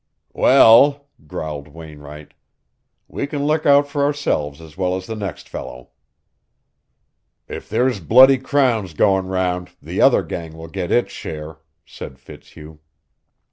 "Well," growled Wainwright, "we can look out for ourselves as well as the next fellow." "If there's bloody crowns going round, the other gang will get its share," said Fitzhugh.